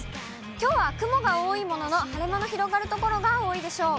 きょうは雲が多いものの、晴れ間の広がる所が多いでしょう。